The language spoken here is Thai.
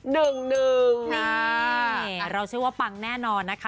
นี่เราเชื่อว่าปังแน่นอนนะคะ